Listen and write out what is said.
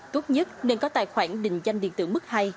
tốt nhất nên có tài khoản định danh điện tử mức hai